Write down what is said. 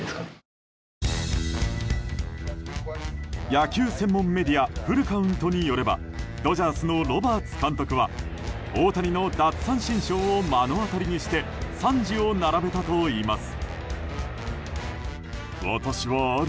野球専門メディアフルカウントによればドジャースのロバーツ監督は大谷の奪三振ショーを目の当たりにして賛辞を並べたといいます。